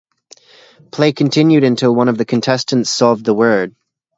Play continued until one of the contestants solved the word.